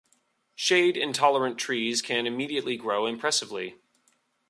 Shade intolerant trees can immediately grow impressively.